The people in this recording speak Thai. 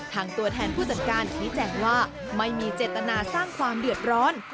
ตัวแทนผู้จัดการชี้แจงว่าไม่มีเจตนาสร้างความเดือดร้อน